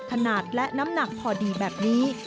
ขนาดและน้ำหนักพอดีแบบนี้